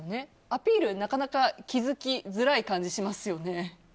アピール、なかなか気づきづらい感じしますよね。